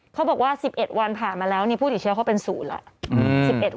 เขาบอกว่า๑๑วันผ่านมาแล้วผู้ติดเชื้อเขาเป็น๐แล้ว